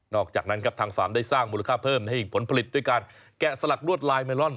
อกจากนั้นครับทางฟาร์มได้สร้างมูลค่าเพิ่มให้ผลผลิตด้วยการแกะสลักลวดลายเมลอน